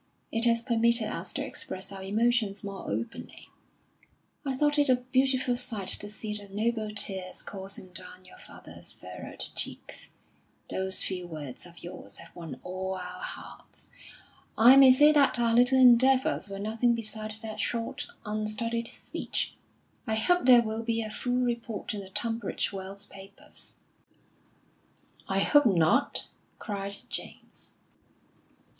It has permitted us to express our emotions more openly. I thought it a beautiful sight to see the noble tears coursing down your father's furrowed cheeks. Those few words of yours have won all our hearts. I may say that our little endeavours were nothing beside that short, unstudied speech. I hope there will be a full report in the Tunbridge Wells papers." "I hope not!" cried James.